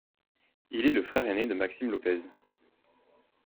Il est le frère aîné de Maxime Lopez.